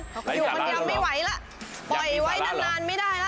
อยู่มันยังไม่ไหวละปล่อยไว้นานไม่ได้ละ